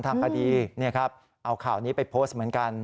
ทางคดีเอาข่าวนี้ไปโพสต์เหมือนกัน